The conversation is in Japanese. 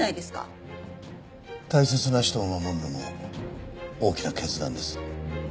大切な人を守るのも大きな決断です。